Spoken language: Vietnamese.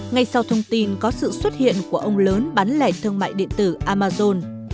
ngay sau thông tin có sự xuất hiện của ông lớn bán lẻ thương mại điện tử amazon